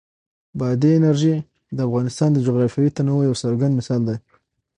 بادي انرژي د افغانستان د جغرافیوي تنوع یو څرګند مثال دی.